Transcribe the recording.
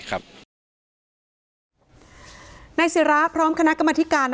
นายเสราะพร้อมคณะกรรมนิธิการ